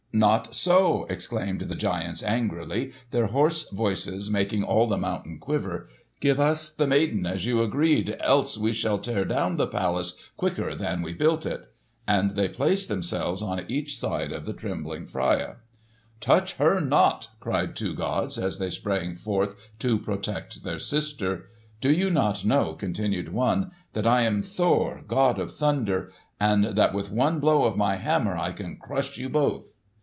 "Not so!" exclaimed the giants angrily, their hoarse voices making all the mountain quiver. "Give us the maiden, as you agreed, else we shall tear down the palace quicker than we built it." And they placed themselves on each side of the trembling Freia. "Touch her not!" cried two gods, as they sprang forth to protect their sister. "Do you not know," continued one, "that I am Thor, god of thunder, and that with one blow of my hammer I can crush you both?"